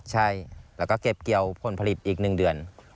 ใช่แล้วก็เก็บเกี่ยวผลผลิตอีก๑เดือน